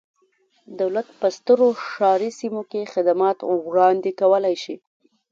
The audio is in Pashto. دولت په سترو ښاري سیمو کې خدمات وړاندې کولای شي.